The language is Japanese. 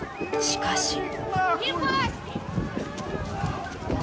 しかし。